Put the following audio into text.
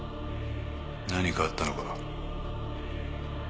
何かあったのか？